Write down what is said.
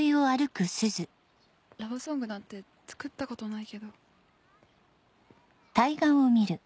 ラブソングなんて作ったことないけど。